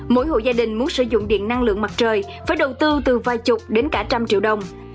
mỗi hộ gia đình muốn sử dụng điện năng lượng mặt trời phải đầu tư từ vài chục đến cả trăm triệu đồng